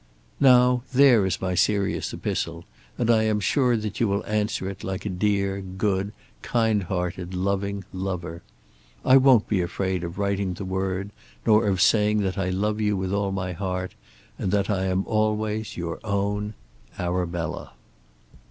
Now there is my serious epistle, and I am sure that you will answer it like a dear, good, kind hearted, loving lover. I won't be afraid of writing the word, nor of saying that I love you with all my heart, and that I am always your own ARABELLA.